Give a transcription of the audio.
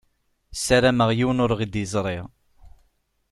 Sarameɣ yiwen ur ɣ-d-iẓṛi.